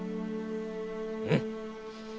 うん。